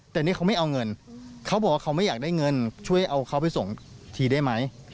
แต่นี่เขาไม่เอาเงินเขาบอกว่าเขาไม่อยากได้เงินช่วยเอาเขาไปส่งทีได้ไหม